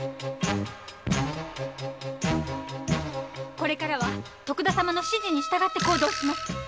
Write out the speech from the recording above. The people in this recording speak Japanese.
これからは徳田様の指示に従って行動します。